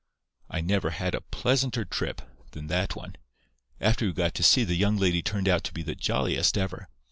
"I never had a pleasanter trip than that one. After we got to sea the young lady turned out to be the jolliest ever.